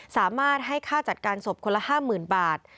สามารถให้ค่าจัดการศพคนละ๕๐๐๐บาท